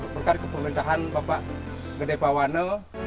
berkat keperintahan bapak gede pawano